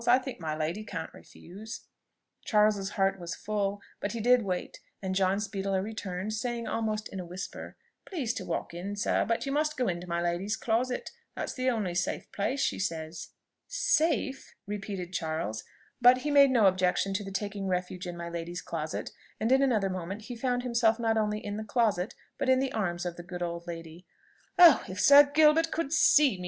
I think my lady can't refuse " Charles's heart was full; but he did wait, and John speedily returned, saying almost in a whisper, "Please to walk in, sir; but you must go into my lady's closet, that's the only safe place, she says." "Safe?" repeated Charles; but he made no objection to the taking refuge in my lady's closet, and in another moment he found himself not only in the closet, but in the arms of the good old lady. "Oh! if Sir Gilbert could see me!"